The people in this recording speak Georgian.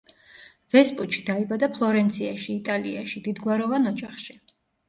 ვესპუჩი დაიბადა ფლორენციაში, იტალიაში, დიდგვაროვან ოჯახში.